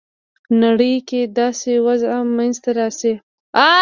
نړۍ کې داسې وضع منځته راسي.